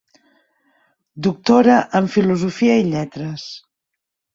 Doctora en filosofia i lletres.